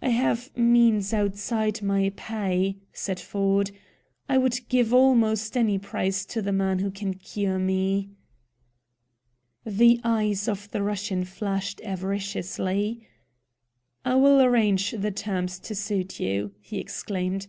"I have means outside my pay," said Ford. "I would give almost any price to the man who can cure me." The eyes of the Russian flashed avariciously. "I will arrange the terms to suit you," he exclaimed.